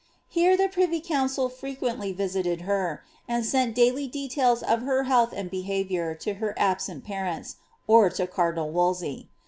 Here the privy council frequently visited her, and sent daily details of her health and behaviour to her absent parents, or to cardinal VVolsey.